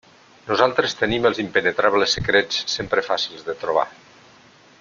Nosaltres tenim els impenetrables secrets sempre fàcils de trobar.